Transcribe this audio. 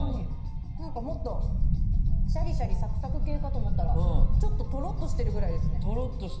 もっとシャリシャリサクサク系かと思ったらちょっとトロッとしてるくらいですね。